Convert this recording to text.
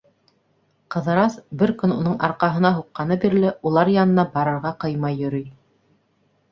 Ҡыҙырас, бер көн уның арҡаһына һуҡҡаны бирле, улар янына барырға ҡыймай йөрөй.